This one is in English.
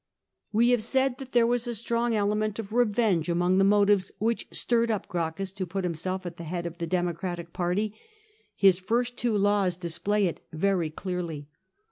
We have said that there was a strong element of revenge among the motives which stirred up Gracchus to put himself at the head of the Democratic party. His two first laws display it very clearly.